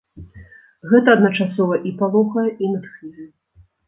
Гэта адначасова і палохае, і натхняе.